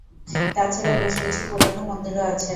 তাছাড়া বেশ কিছু পুরানো মন্দির ও আছে।